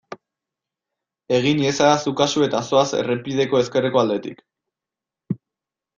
Egin iezadazu kasu eta zoaz errepideko ezkerreko aldetik.